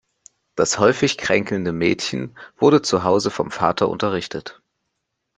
Das häufig kränkelnde Mädchen wurde zu Hause vom Vater unterrichtet.